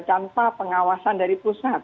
tanpa pengawasan dari pusat